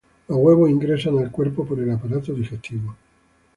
Los huevos ingresan al cuerpo por el aparato digestivo.